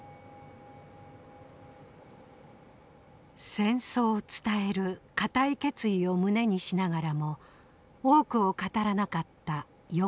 戦争を伝える固い決意を胸にしながらも多くを語らなかった横井。